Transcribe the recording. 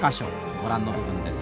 ご覧の部分です。